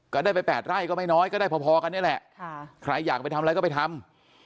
ก็ได้ไป๘ไร่ก็ไม่น้อยก็ได้พอกันนี่แหละใครอยากไปทำอะไรก็ไปทำ